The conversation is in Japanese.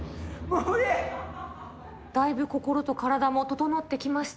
もう無だいぶ心と体も整ってきまし